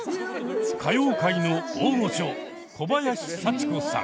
歌謡界の大御所小林幸子さん。